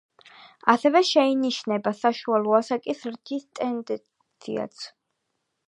ასევე შეინიშნება საშუალო ასაკის ზრდის ტენდენციაც.